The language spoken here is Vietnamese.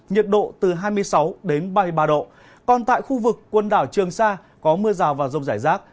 nhiệt độ từ hai mươi sáu đến ba mươi ba độ còn tại khu vực quần đảo trường sa có mưa rào và rông rải rác